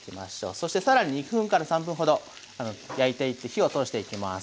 そして更に２３分ほど焼いていって火を通していきます。